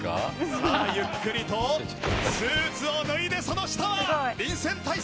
さあゆっくりとスーツを脱いでその下は臨戦態勢！